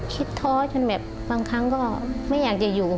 ท้อจนแบบบางครั้งก็ไม่อยากจะอยู่